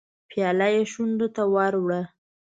پياله يې شونډو ته ور وړه.